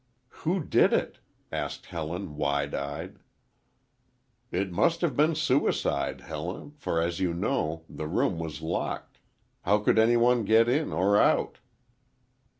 "Who did it?" asked Helen, wide eyed. "It must have been suicide, Helen, for, as you know, the room was locked. How could any one get in or out?"